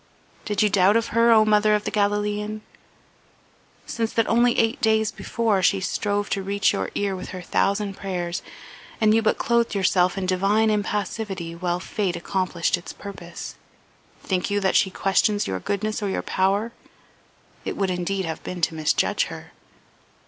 Did you doubt of her, O mother of the Galilean? Since that only eight days before she strove to reach your ear with her thousand prayers, and you but clothed yourself in divine impassivity while fate accomplished its purpose, think you that she questions your goodness or your power? It would indeed have been to misjudge her.